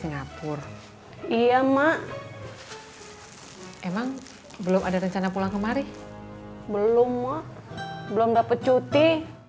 di singapura iya mak emang belum ada rencana pulang kemari belum mau belum dapet cuti